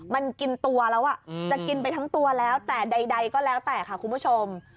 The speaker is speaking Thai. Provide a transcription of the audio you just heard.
มันกินตัวแล้วจะกินไปทั้งตัวแล้วแต่ใดก็แล้วแต่ค่ะคุณผู้ชม